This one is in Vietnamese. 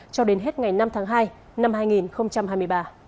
cho đến hết ngày năm tháng hai năm hai nghìn hai mươi ba